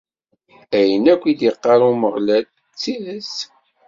Ayen akk i d-iqqar Umeɣlal, d tidet.